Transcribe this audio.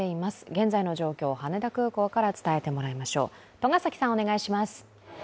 現在の状況を羽田空港から伝えてもらいましょう。